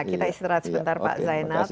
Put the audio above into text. kita istirahat sebentar pak zainal